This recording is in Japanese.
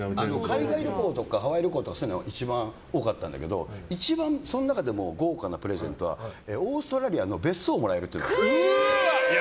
海外旅行とか、ハワイ旅行とか一番多かったんだけど一番その中で豪華なプレゼントはオーストラリアの別荘をもらえるっていう。